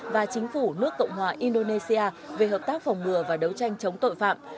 và chính phủ nước cộng hòa indonesia về hợp tác phòng ngừa và đấu tranh chống tội phạm